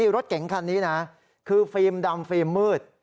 รถเก๋งคันนี้นะคือฟิล์มดำฟิล์มมืด